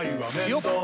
よっ！